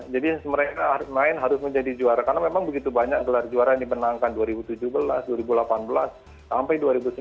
jadi mereka main harus menjadi juara karena memang begitu banyak gelar juara yang dibenangkan dua ribu tujuh belas dua ribu delapan belas sampai dua ribu sembilan belas